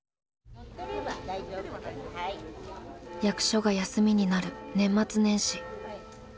役所が休みになる年末年始。